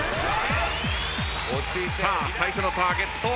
さあ最初のターゲット。